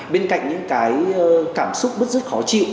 bên cạnh những cái cảm xúc bất rất khó chịu